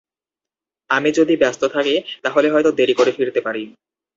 আমি যদি ব্যস্ত থাকি তাহলে হয়ত দেরি করে ফিরতে পারি।